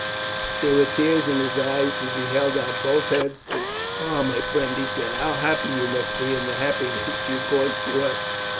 There were tears in his eyes as he held out both hands to him. "Ah, my friend," he said, "how happy you must be in the happiness you caused to us!